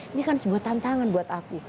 ini kan sebuah tantangan buat aku